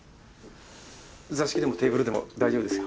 座敷でもテーブルでも大丈夫ですよ。